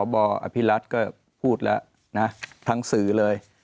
บอภิรัตน์ก็พูดแล้วนะทั้งสื่อเลย